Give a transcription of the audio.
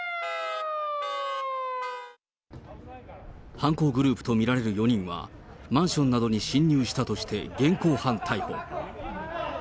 犯行グループと見られる４人は、マンションなどに侵入したとして現行犯逮捕。